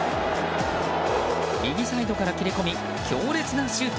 右サイドから切れ込み強烈なシュート。